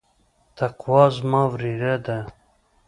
تقوا زما وريره ده.